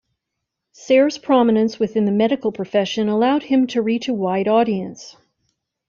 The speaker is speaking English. Sayre's prominence within the medical profession allowed him to reach a wide audience.